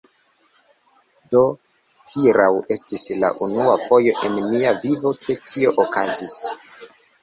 Do hieraŭ, estis la unua fojo en mia vivo, ke tio okazis.